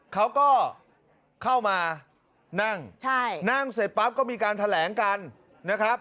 เขาก็เข้ามานั่งนั่งเสร็จปั๊บก็มีการแถลงกันนะครับ